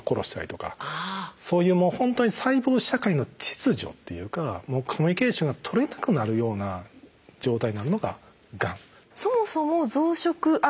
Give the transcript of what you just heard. そういうもうほんとに細胞社会の秩序っていうかコミュニケーションが取れなくなるような状態になるのががん。